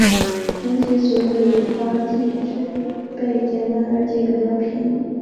而且所用的引发剂制备简单而且比较便宜。